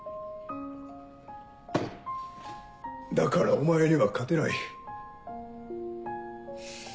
だからお前には勝てない。